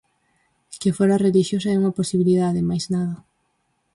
Que fora relixiosa é unha posibilidade, máis nada.